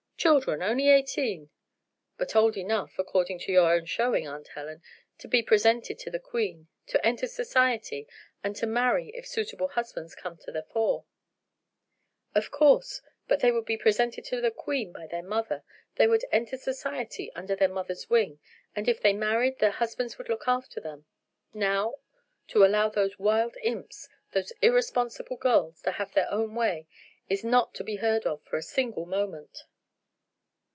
Children, only eighteen." "But old enough, according to your own showing, Aunt Helen, to be presented to the Queen, to enter society, and to marry if suitable husbands come to the fore." "Of course; but they would be presented to the Queen by their mother; they would enter society under their mother's wing; and if they married, their husbands would look after them. Now to allow those wild imps, those irresponsible girls, to have their own way is not to be heard of for a single moment."